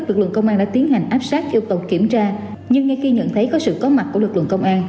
lực lượng công an đã tiến hành áp sát yêu cầu kiểm tra nhưng ngay khi nhận thấy có sự có mặt của lực lượng công an